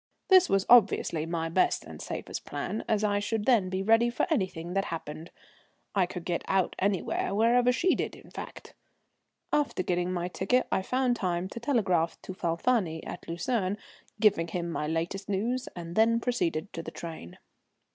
This was obviously my best and safest plan, as I should then be ready for anything that happened. I could get out anywhere, wherever she did, in fact. After getting my ticket I found time to telegraph to Falfani at Lucerne, giving him my latest news, and then proceeded to the train.